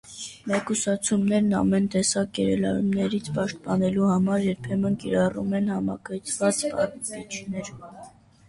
Մեկուսացումներն ամեն տեսակ գերլարումներից պաշտպանելու համար երբեմն կիրառում են համակցված պարպիչներ։